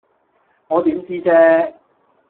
我點知啫